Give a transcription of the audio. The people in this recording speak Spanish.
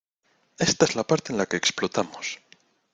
¡ Esta es la parte en la que explotamos!